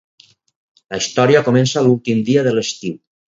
La història comença l'últim dia de l'estiu.